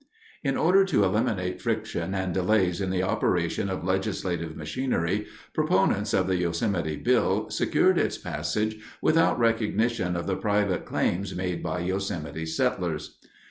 In order to eliminate friction and delays in the operation of legislative machinery, proponents of the Yosemite bill secured its passage without recognition of the private claims made by Yosemite settlers.